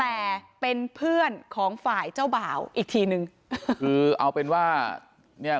แต่เป็นเพื่อนของฝ่ายเจ้าบ่าวอีกทีนึงคือเอาเป็นว่าเนี่ย